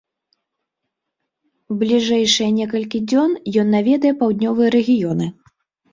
Бліжэйшыя некалькі дзён ён наведае паўднёвыя рэгіёны.